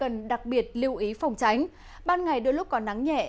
nơi đây cần đặc biệt lưu ý phòng tránh ban ngày đôi lúc còn nắng nhẹ